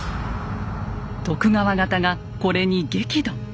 徳川方がこれに激怒。